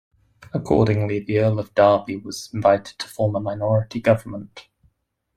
Accordingly, the Earl of Derby was invited to form a minority government.